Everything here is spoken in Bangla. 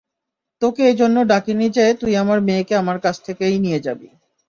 তোকে এজন্য ডাকিনি যে তুই আমার মেয়েকে আমার কাছ থেকেই নিয়ে যাবি।